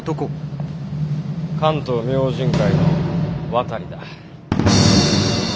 関東明神会の渡だ。